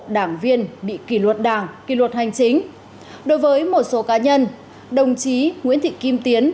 đảng viên bị kỷ luật đảng kỳ luật hành chính đối với một số cá nhân đồng chí nguyễn thị kim tiến